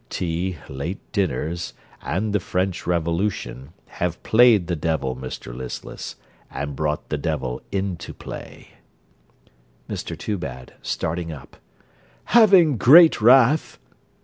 Tea, late dinners, and the French Revolution, have played the devil, Mr Listless, and brought the devil into play. MR TOOBAD (starting up) Having great wrath.